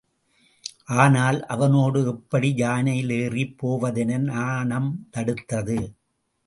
ஆனால் அவனோடு எப்படி யானையில் ஏறிப் போவதென நாணம் தடுத்தது.